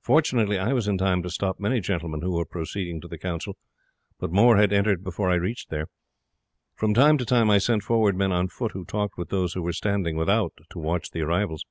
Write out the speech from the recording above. Fortunately I was in time to stop many gentlemen who were proceeding to the council, but more had entered before I reached there. From time to time I sent forward men on foot who talked with those who were standing without to watch the arrivals.